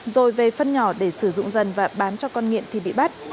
rồi về phân nhỏ để sử dụng dần và bán cho con nghiện thì bị bắt